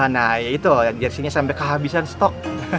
dari sini sampai kehabisan stok